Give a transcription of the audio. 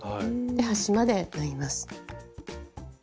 端まで縫います。